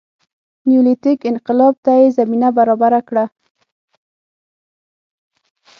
نیولیتیک انقلاب ته یې زمینه برابره کړه